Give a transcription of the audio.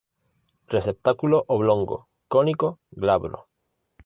Receptáculo oblongo, cónico, glabro.